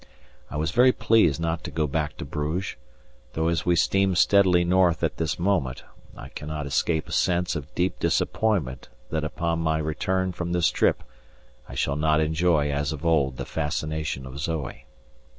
I was very pleased not to go back to Bruges, though as we steam steadily north at this moment I cannot escape a sense of deep disappointment that upon my return from this trip I shall not enjoy as of old the fascination of Zoe.